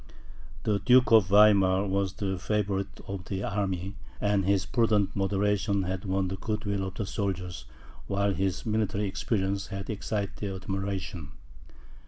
The Duke of Weimar was the favourite of the army, and his prudent moderation had won the good will of the soldiers, while his military experience had excited their admiration.